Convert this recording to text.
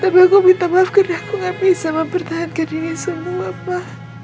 tapi aku minta maaf karena aku gak bisa mempertahankan diri semua pak